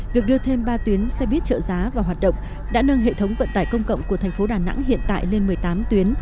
việc đưa thêm ba tuyến xe buýt trợ giá vào hoạt động đã nâng hệ thống vận tải công cộng của thành phố đà nẵng hiện tại lên một mươi tám tuyến